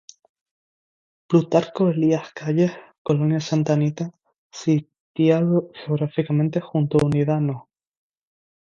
Plutarco Elías Calles, colonia Santa Anita, sitiado geográficamente junto la Unidad No.